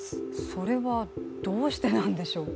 それは、どうしてなんでしょう？